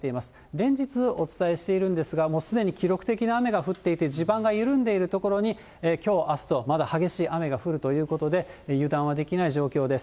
連日お伝えしているんですが、すでに記録的な雨が降っていて、地盤が緩んでいる所に、きょう、あすとまだ激しい雨が降るということで、油断はできない状況です。